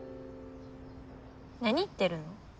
何言ってるの。